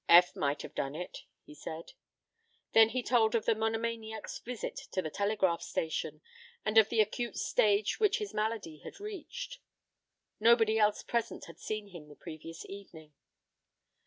"Eph might have done it," he said. Then he told of the monomaniac's visit to the telegraph station, and of the acute stage which his malady had reached. Nobody else present had seen him since the previous evening.